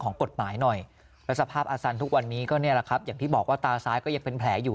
ก็นี่ละครับอย่างที่บอกว่าตาซ้ายก็ยังเป็นแผลอยู่